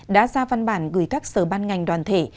đã ra văn bản gửi các sở ban ngành đoàn thể